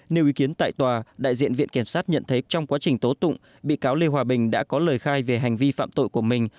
nêu ý kiến tại tòa đại diện viện kiểm sát nhận thấy trong quá trình tố tụng bị cáo lê hòa bình đã có lời khai về hành vi phạm tội của mình